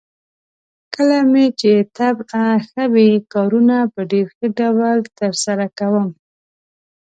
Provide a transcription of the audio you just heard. کله مې چې طبعه ښه وي، کارونه په ډېر ښه ډول ترسره کوم.